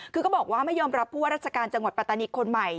คือก็บอกว่าไม่ยอมรับผู้ว่าราชการจังหวัดปัตตานีคนใหม่